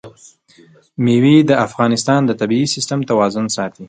مېوې د افغانستان د طبعي سیسټم توازن ساتي.